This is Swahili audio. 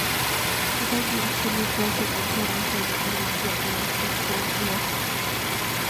zaidi nchini Brazil Antonio Sena alijua anachokogiopa